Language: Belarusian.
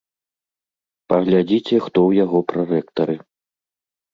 Паглядзіце, хто ў яго прарэктары.